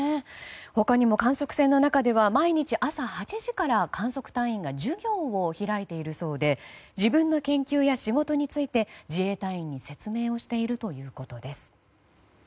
他にも観測船の中では毎日朝８時から観測隊員が授業を開いているそうで自分の研究や仕事について自衛隊員に説明をしているということです。